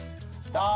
あ